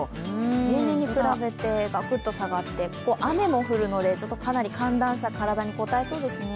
平年に比べてガクッと下がって、雨も降るのでちょっとかなり寒暖差体にこたえそうですね。